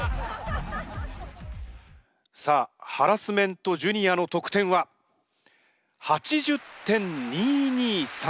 さあハラスメントＪｒ．の得点は？８０．２２３。